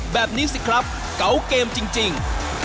แบบนี้สิครับเกาเกมจริง